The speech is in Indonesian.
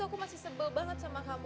aku masih sebel banget sama kamu